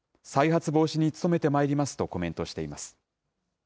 再発防止に努めてまいりますとコメントしています。